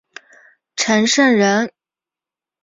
陈胜人。